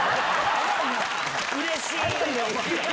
うれしい。